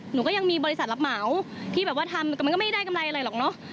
หนูก็ยังมีบริษัทรับเหมาที่แบบว่าทำแต่มันก็ไม่ได้กำไรอะไรหรอกเนอะ